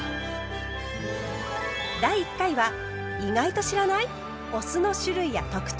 第１回は意外と知らない⁉お酢の種類や特徴